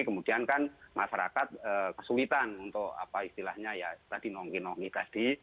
kemudian kan masyarakat kesulitan untuk apa istilahnya ya tadi nongki nonggi tadi